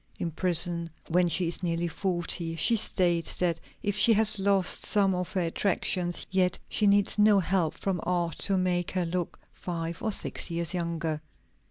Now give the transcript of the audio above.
In prison, when she is nearly forty, she states that if she has lost some of her attractions, yet she needs no help from art to make her look five or six years younger.